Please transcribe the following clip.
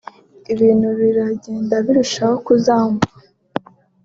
Ibintu biragenda birushaho kuzamba